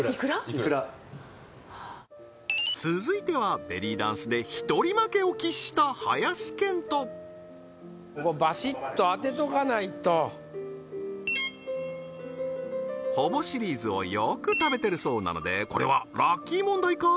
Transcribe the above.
いくら続いてはベリーダンスで一人負けを喫した林遣都ここバシッと当てとかないとほぼシリーズをよく食べてるそうなのでこれはラッキー問題か？